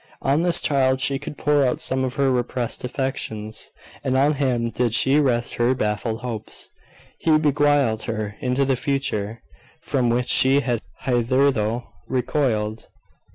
On this child she could pour out some of her repressed affections, and on him did she rest her baffled hopes. He beguiled her into the future, from which she had hitherto recoiled.